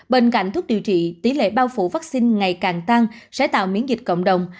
bệnh cảnh thuốc điều trị tỷ lệ bao phủ vaccine ngày càng tăng sẽ tạo miễn dịch cộng đồng